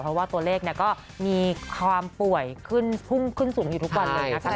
เพราะว่าตัวเลขก็มีความป่วยขึ้นพุ่งขึ้นสูงอยู่ทุกวันเลยนะคะ